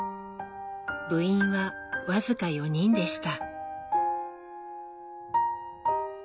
部員は僅か４人でした。